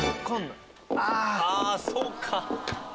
あぁそうか！